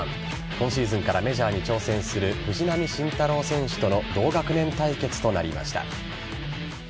今シーズンからメジャーに挑戦する藤浪晋太郎選手との同学年対決となりました。